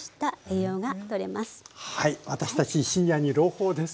私たちシニアに朗報です。